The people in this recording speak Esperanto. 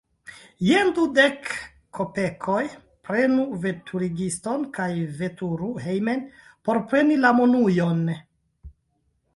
Jen dudek kopekoj; prenu veturigiston kaj veturu hejmen, por preni la monujon.